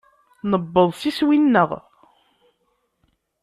Nuweḍ s iswi-nneɣ.